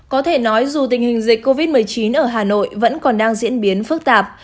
có thể nói dù tình hình dịch covid một mươi chín ở hà nội vẫn còn đang diễn biến phức tạp